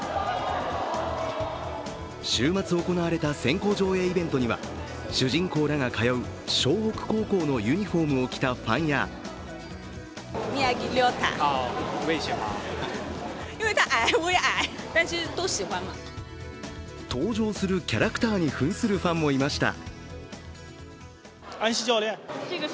週末行われた先行上映イベントには主人公らが通う湘北高校のユニフォームを着たファンや登場するキャラクターにふんするファンもいました。